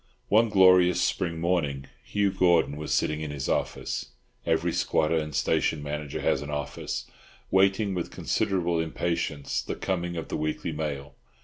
One glorious spring morning, Hugh Gordon was sitting in his office—every squatter and station manager has an office—waiting with considerable impatience the coming of the weekly mail.